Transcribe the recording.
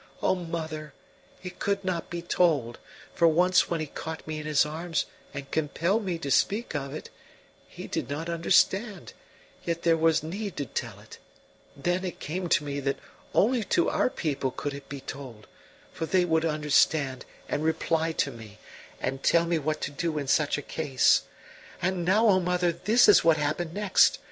O mother, it could not be told; for once when he caught me in his arms and compelled me to speak of it, he did not understand; yet there was need to tell it; then it came to me that only to our people could it be told, for they would understand, and reply to me, and tell me what to do in such a case. "And now, O mother, this is what happened next.